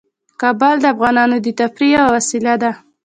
کابل د افغانانو د تفریح یوه وسیله ده.